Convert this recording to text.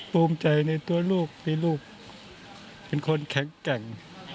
ภูมิใจในตัวลูกมีลูกเป็นคนแข็งแกร่ง